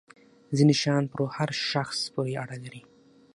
ځینې شیان پر هر شخص پورې اړه لري.